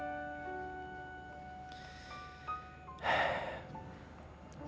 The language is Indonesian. aku nggak bisa ngerti apa yang akan terjadi